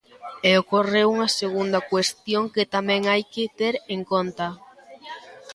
E ocorreu unha segunda cuestión que tamén hai que ter en conta.